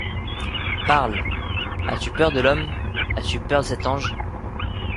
Parle. As-tu peur de l’homme ? As-tu peur de cet ange